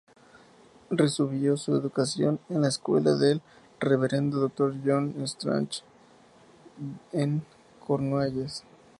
Recibió su educación en la escuela del Reverendo Dr. John Strachan en Cornualles.